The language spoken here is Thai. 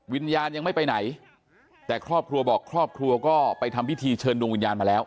วิญญาณยังไม่ไปไหนแต่ครอบครัวบอกครอบครัวก็ไปทำพิธีเชิญดวงวิญญาณมาแล้ว